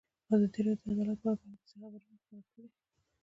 ازادي راډیو د عدالت په اړه پرله پسې خبرونه خپاره کړي.